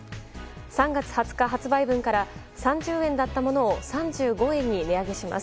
３月２０日発売分から３０円だったものを３５円に値上げします。